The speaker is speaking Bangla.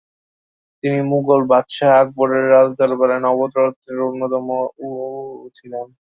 তিনি মুঘল বাদশাহ আকবরের রাজদরবারের নবরত্নের মধ্যে অন্যতম ছিলেন।